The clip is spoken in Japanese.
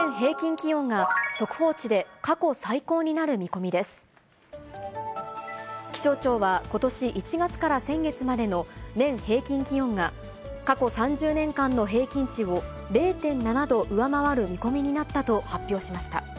気象庁は、ことし１月から先月までの年平均気温が、過去３０年間の平均値を０．７度上回る見込みになったと発表しました。